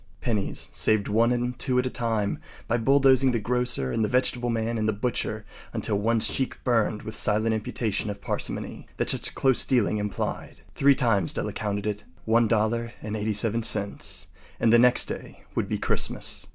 Pennies saved one and two at a time by bulldozing the grocer and the vegetable man and the butcher until one’s cheeks burned with the silent imputation of parsimony that such close dealing implied. Three times Della counted it. One dollar and eighty seven cents. And the next day would be Christmas.